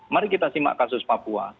mari kita simak kasus papua